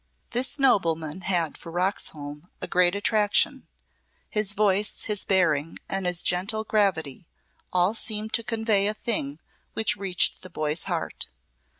This nobleman had for Roxholm a great attraction his voice, his bearing, and his gentle gravity all seemed to convey a thing which reached the boy's heart.